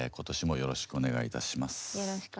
よろしくお願いします。